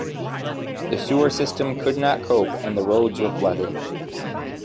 The sewer systems could not cope and the roads were flooded.